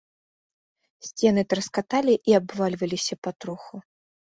Сцены траскаталі і абвальваліся патроху.